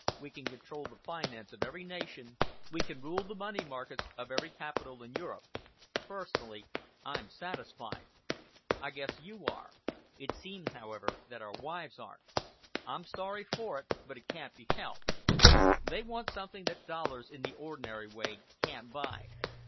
We can control the finance of every nation, we can rule the money markets of every capital in Europe. Personally I'm satisfied. I guess you are. It seems, however, that our wives aren't. I'm sorry for it, but it can't be helped. They want something that dollars in the ordinary way can't buy.